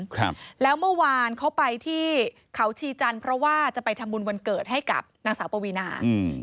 ครับแล้วเมื่อวานเขาไปที่เขาชีจันทร์เพราะว่าจะไปทำบุญวันเกิดให้กับนางสาวปวีนาอืม